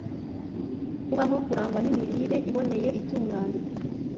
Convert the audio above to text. kubaho kurangwa n’imirire iboneye, itunganye